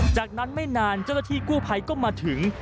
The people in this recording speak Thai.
จากนั้นไม่นานเจ้าหน้าที่กู้ภัยก็มาถึง